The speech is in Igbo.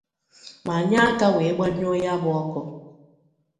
ma nye aka wee gbanyụọ ya bụ ọkụ